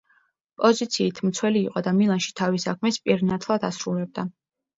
პოზიციით მცველი იყო და მილანში თავის საქმეს პირნათლად ასრულებდა.